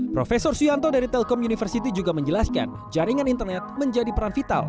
profesor suyanto dari telkom university juga menjelaskan jaringan internet menjadi peran vital